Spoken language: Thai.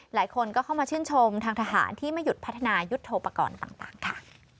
หลายคนก็เข้ามาชื่นชมทางทหารที่ไม่หยุดพัฒนายุทธโปรกรณ์ต่างค่ะ